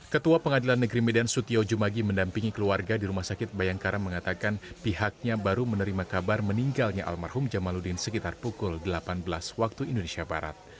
ketua pengadilan negeri medan sutio jumagi mendampingi keluarga di rumah sakit bayangkara mengatakan pihaknya baru menerima kabar meninggalnya almarhum jamaludin sekitar pukul delapan belas waktu indonesia barat